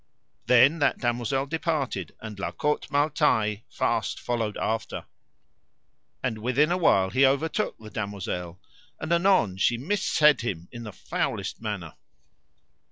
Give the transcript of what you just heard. Then that damosel departed, and La Cote Male Taile fast followed after. And within a while he overtook the damosel, and anon she missaid him in the foulest manner.